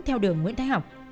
theo đường nguyễn thái học